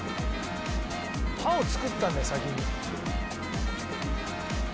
刃を作ったんだよ先に。